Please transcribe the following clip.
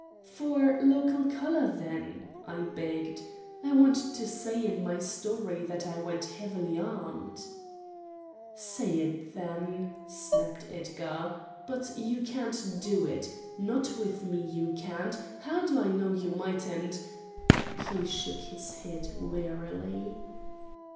"For local color, then," I begged, "I want to say in my story that I went heavily armed." "Say it, then," snapped Edgar. "But you can't do it! Not with me, you can't! How do I know you mightn't——" He shook his head warily.